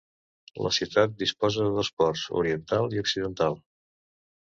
La ciutat disposa de dos ports, Oriental i Occidental.